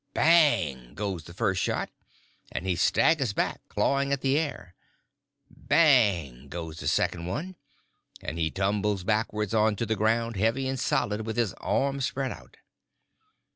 Bang! goes the first shot, and he staggers back, clawing at the air—bang! goes the second one, and he tumbles backwards on to the ground, heavy and solid, with his arms spread out.